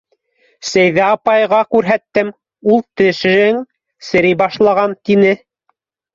Сәйҙә апайға күрһәттем, ул тешең серей башлаған, тине.